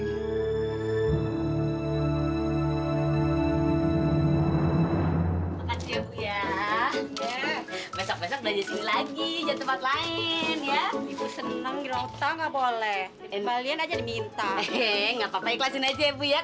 makan siap ya